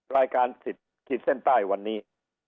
รายการสิทธิ์คิดเส้นใต้วันนี้